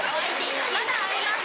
まだあります！